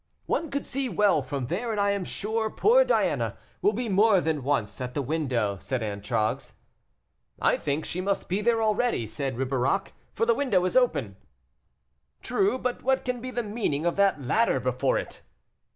"One could see well from there, and I am sure poor Diana will be more than once at the window," said Antragues. "I think she must be there already," said Ribeirac, "for the window is open." "True, but what can be the meaning of that ladder before it?"